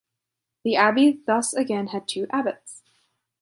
The abbey thus again had two abbots.